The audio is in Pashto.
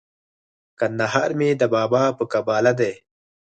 کندهار مي د بابا په قباله دی